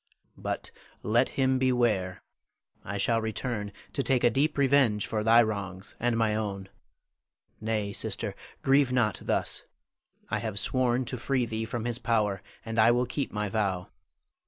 But let him beware! I shall return to take a deep revenge for thy wrongs and my own. Nay, sister, grieve not thus. I have sworn to free thee from his power, and I will keep my vow.